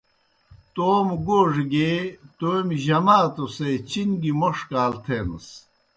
توموْ گوڙہ گیے تومیْ جماتوْ سے چِن گیْ موْݜ کال تھینَس۔